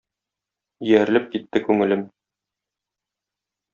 Иярелеп китте күңелем.